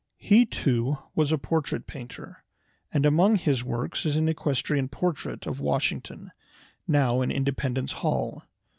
He too was a portrait painter, and among his works is an equestrian portrait of Washington, now in Independence Hall.